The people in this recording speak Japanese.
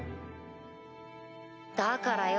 だからよ